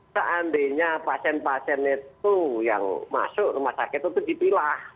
seandainya pasien pasien itu yang masuk rumah sakit itu dipilah